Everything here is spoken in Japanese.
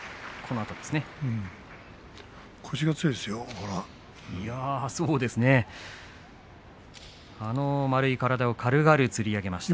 あの丸い体を軽々と売り上げました。